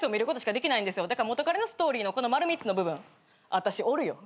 だから元カレのストーリーのこの丸３つの部分私おるよ。